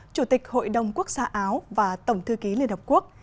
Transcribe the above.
chủ tịch hội đồng quốc gia áo và tổng thư ký liên hợp quốc